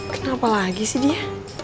kenapa lagi sih dia